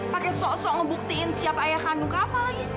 pakai sok sok ngebuktiin siapa ayah kandung kava lagi